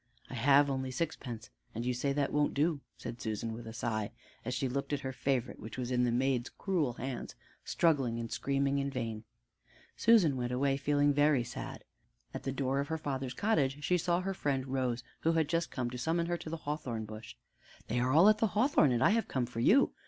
"I have only sixpence and you say that won't do," said Susan with a sigh, as she looked at her favorite which was in the maid's cruel hands, struggling and screaming in vain. Susan went away feeling very sad. At the door of her father's cottage she saw her friend Rose, who had just come to summon her to the hawthorn bush. "They are all at the hawthorn, and I have come for you.